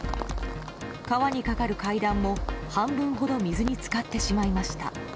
川にかかる階段も半分ほど水に浸かってしまいました。